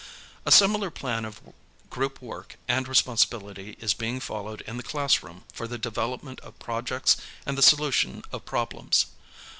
A simi lar plan of group work and responsibility is being followed in the classroom for the development of projects and the solution of problems.